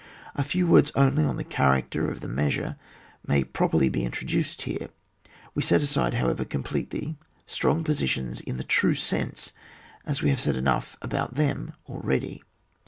A few words only on the character of the mea sure may properly be introduced here ; we set aside, however, completely strong positions in the true sense, as we have said enough about them already.